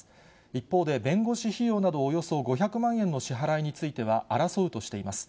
一方で、弁護士費用などおよそ５００万円の支払いについては争うとしています。